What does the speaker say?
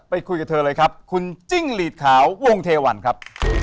ไปคุยกับเธอเลยครับคุณจิ้งหลีดขาววงเทวันครับ